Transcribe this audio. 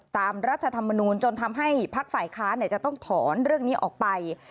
รัฐธรรมนูลจนทำให้พักฝ่ายค้านจะต้องถอนเรื่องนี้ออกไป